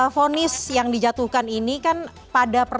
fonis yang dijatuhkan ini kan pada